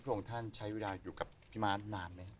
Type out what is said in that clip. พวกท่านใช้เวลาอยู่กับพี่ม้านานไหม